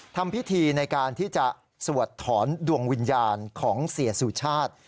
ทำพิธีในการที่จะสวดถอนดวงวิญญาณของเสียสุชาติ